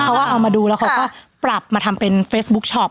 เพราะว่าเอามาดูแล้วเขาก็ปรับมาทำเป็นเฟซบุ๊คช็อป